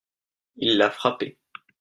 Il l'a frappé.